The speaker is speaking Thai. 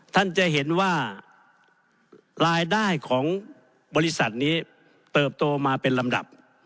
ท่านจะเห็นว่ารายได้ของบริษัทนี้เติบโตมาเป็นลำดับ